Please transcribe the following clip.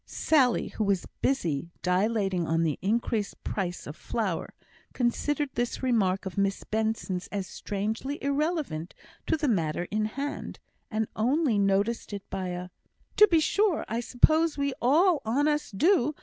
Sally, who was busy dilating on the increased price of flour, considered this remark of Miss Benson's as strangely irrelevant to the matter in hand, and only noticed it by a "To be sure! I suppose we all on us do.